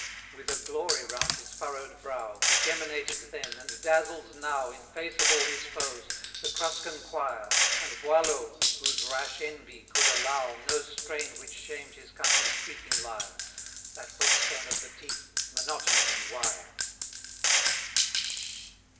with a glory round his furrowed brow, Which emanated then, and dazzles now In face of all his foes, the Cruscan quire, And Boileau, whose rash envy could allow No strain which shamed his country's creaking lyre, That whetstone of the teeth monotony in wire!